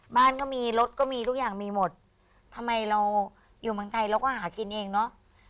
บ้านก็มีรถก็มีทุกอย่างมีหมดทำไมเราอยู่เมืองไทยเราก็หากินเองเนอะ